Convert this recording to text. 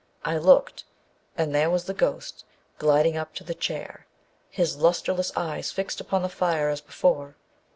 I looked, and there was the ghost gliding up to the chair, his lustreless eyes fixed upon the fire as before.